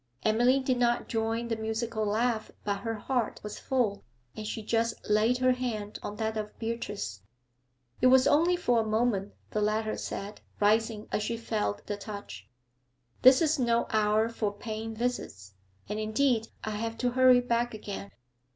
Emily did not join the musical laugh, but her heart was full, and she just laid her hand on that of Beatrice. 'It was only for a moment,' the latter said, rising as she felt the touch. 'This is no hour for paying visits, and, indeed, I have to hurry back again.